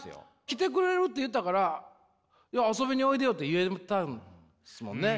「来てくれる」って言ったから「遊びにおいでよ」って言えたんですもんね。